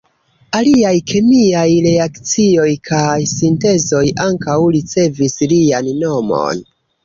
Aliaj kemiaj reakcioj kaj sintezoj ankaŭ ricevis lian nomon.